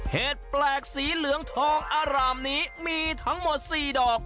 แปลกสีเหลืองทองอารามนี้มีทั้งหมด๔ดอก